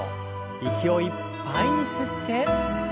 息をいっぱいに吸って。